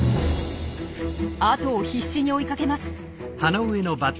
後を必死に追いかけます。